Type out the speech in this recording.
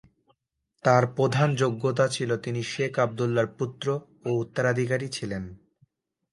তার প্রধান যোগ্যতা ছিল তিনি শেখ আবদুল্লাহর পুত্র ও উত্তরাধিকারী ছিলেন।